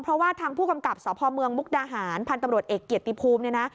เพราะว่าทางผู้กำกับสพเมืองมุกดาหารพันธุ์ตำรวจเอกเกียรติภูมิเนี่ยนะ